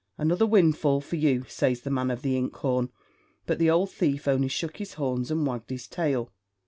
"Another windfall for you," says the man of the ink horn, but the old thief only shook his horns and wagged his tail.